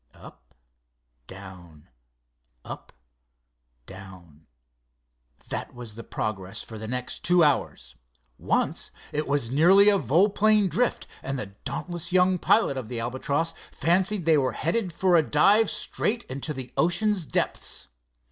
Up—down—up—down—that was the progress for the next two hours. Once it was nearly a volplane drift, and the dauntless young pilot of the Albatross fancied they were headed for a dive straight into the ocean's depths.